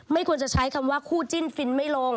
ไม่ควรจะใช้คำว่าคู่จิ้นฟินไม่ลง